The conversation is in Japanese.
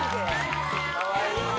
かわいい！